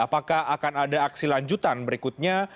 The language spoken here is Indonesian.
apakah akan ada aksi lanjutan berikutnya